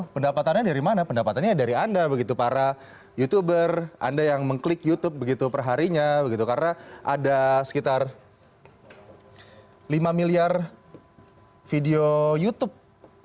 pendapatannya dari mana pendapatannya dari anda begitu para youtuber anda yang mengklik youtube begitu perharinya begitu karena ada sekitar lima miliar video youtube